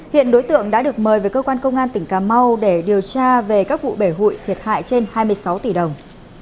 hiện đối tượng đã được mời về cơ quan công an tỉnh cà mau để điều tra về các vụ bể hụi thiệt hại trên hai mươi sáu tỷ đồng